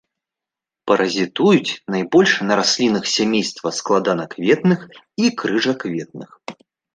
Паразітуюць найбольш на раслінах сямейства складанакветных і крыжакветных.